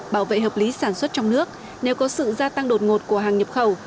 bảo vệ hợp lý sản xuất trong nước nếu có sự gia tăng đột ngột của hàng nhập khẩu